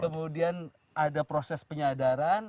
kemudian ada proses penyadaran